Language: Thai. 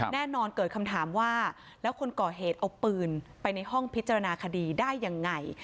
แน่นอนเกิดคำถามว่าแล้วคนก่อเหตุเอาปืนไปในห้องพิจารณาคดีได้ยังไง